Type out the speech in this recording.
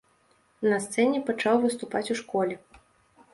На сцэне пачаў выступаць у школе.